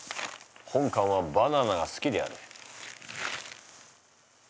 本官はバナナが好きである。